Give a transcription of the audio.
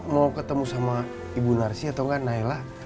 mau ketemu sama ibu narsi atau gak nailah